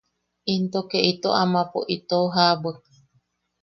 Into ke ito amapo itou jaʼabwek.